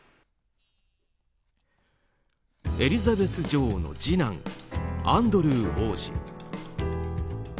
エリザベス女王の次男アンドルー王子。